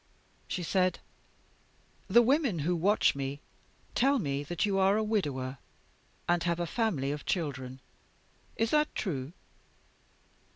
"She said: 'The women who watch me tell me that you are a widower, and have a family of children. Is that true?